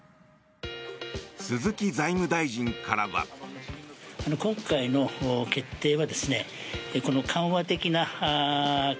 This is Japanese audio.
鈴木財務大臣からは。